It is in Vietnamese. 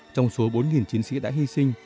trong số bốn nghìn chiến sĩ đã hy sinh